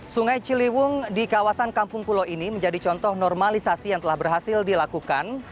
sungai ciliwung di kawasan kampung pulau ini menjadi contoh normalisasi yang telah berhasil dilakukan